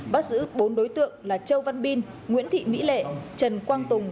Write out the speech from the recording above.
bắt giữ bốn đối tượng là châu văn bin nguyễn thị mỹ lệ trần quang tùng